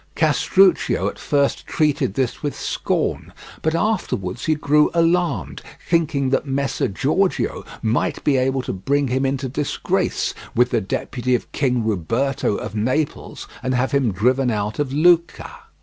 Castruccio at first treated this with scorn, but afterwards he grew alarmed, thinking that Messer Giorgio might be able to bring him into disgrace with the deputy of King Ruberto of Naples and have him driven out of Lucca.